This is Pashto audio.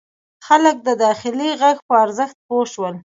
خلک د داخلي غږ په ارزښت پوه شول.